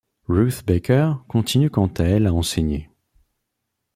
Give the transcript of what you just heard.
Ruth Becker continue quant à elle à enseigner.